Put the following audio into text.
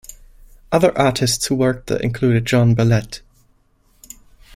Other artists who worked there included Jean Bellette.